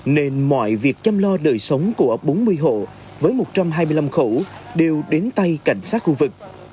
nên mọi việc chăm lo đời sống của bốn mươi hộ với một trăm hai mươi năm khẩu đều đến tay cảnh sát khu vực